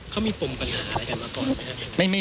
เขามีปมปัญหาอะไรกันมาก่อนไหมครับ